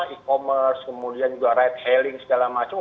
e commerce kemudian juga ride hailing segala macam